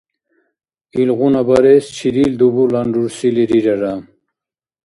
Илгъуна барес чидил дубурлан рурсили рирара?